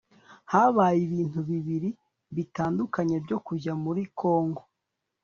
Habaye ibintu bibiri bitandukanye byo kujya muri Kongo